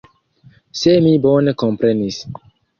Se mi bone komprenis.